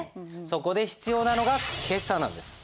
そこで必要なのが決算なんです。